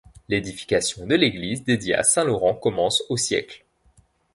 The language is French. L'édification de l'église dédiée à saint Laurent commence au siècle.